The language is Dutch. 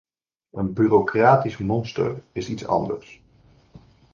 Een bureaucratisch monster is iets anders.